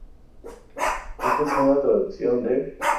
Esta es una traducción de